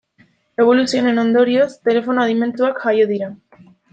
Eboluzio honen ondorioz, telefono adimentsuak jaio dira.